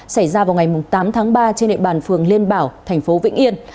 xảy ra vào ngày tám tháng ba trên địa bàn phường liên bảo thành phố vĩnh yên